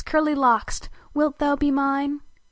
Curly Locks! wilt thon be mine?